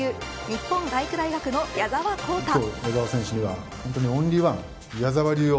日本体育大学の矢澤宏太。